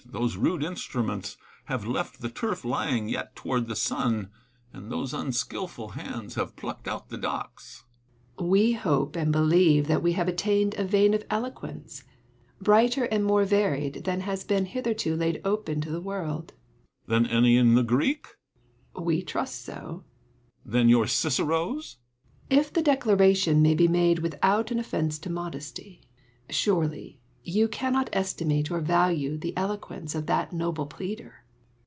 Those rude instruments have left the turf lying yet toward the sun ; and those unskilful hands have plucked out the docks. Seneca. We hope and believe that we have attained a vein of eloquence, brighter and more varied than has been hitherto laid open to the world. Epictetus. Than any in the Greek 1 Seneca. We trust so. Epictetus. Than your Cicero's 1 Seneca. If the declaration may be made without an offence to modesty. Surely, you cannot estimate or value the eloquence of that noble pleader